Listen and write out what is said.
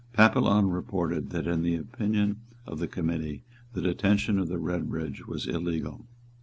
Papillon reported that in the opinion of the Committee, the detention of the Redbridge was illegal.